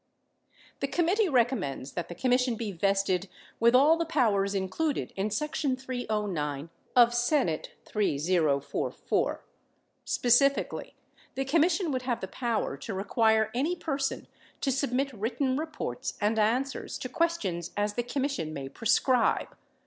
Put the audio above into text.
The committee recommends that the Commission be vested with all the powers included in section 309 of S. 3044. Specifically, the Com mission would have the power to require any person to submit writ ten reports and answers to questions as the Commission may prescribe.